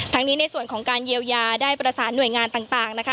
นี้ในส่วนของการเยียวยาได้ประสานหน่วยงานต่างนะคะ